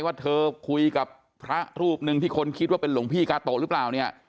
ว่าเธอคุยกับพระรูปหนึ่งที่คนคิดว่าเป็นหลวงพี่กาโตะหรือเปล่าเนี่ย